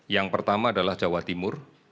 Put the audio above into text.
yang pertama adalah jawa timur